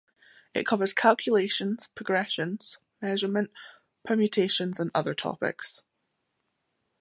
It covers calculations, progressions, measurement, permutations, and other topics.